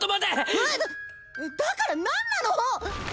うわっだから何なの！？